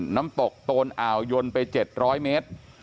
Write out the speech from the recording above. น้ำตกโตนอ่าวยนไป๗๐๐เมตร